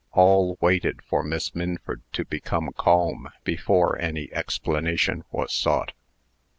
All waited for Miss Minford to become calm before any explanation was sought.